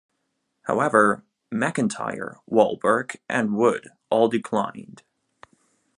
However, McIntyre, Wahlberg, and Wood all declined.